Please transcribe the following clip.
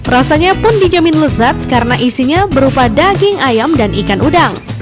rasanya pun dijamin lezat karena isinya berupa daging ayam dan ikan udang